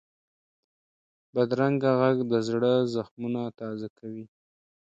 بدرنګه غږ د زړه زخمونه تازه کوي